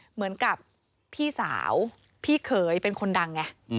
เหมือนกับพี่สาวพี่เขยเป็นคนดังไง